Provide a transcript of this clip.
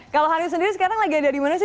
kalau hanif sendiri sekarang lagi ada dimana sih